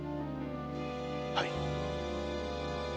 はい！